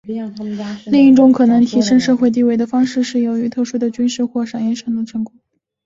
另一种可能提升社会地位的方式是由于特殊的军事或商业上的成功。